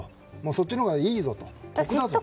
そっちのほうがいいぞと。